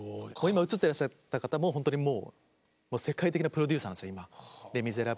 今映ってらっしゃった方も本当にもう世界的なプロデューサーなんですよ